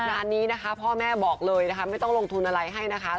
งานนี้นะคะพ่อแม่บอกเลยนะคะไม่ต้องลงทุนอะไรให้นะคะ